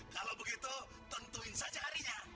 kalau begitu tentuin saja harinya